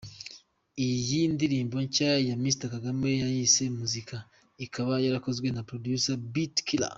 Iyi ndirimbo nshya ya Mr Kagame yayise ‘Muzika’ ikaba yarakozwe na Producer Beat Killer.